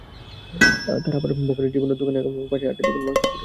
তারা আবার বখাটে জীবনের দোকান এবং পাশের আটটির মতো দোকান ভাঙচুর করে।